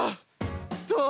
どう？